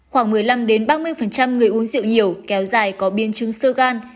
khoảng một mươi năm ba mươi người uống rượu nhiều kéo dài có biến chứng sơ gan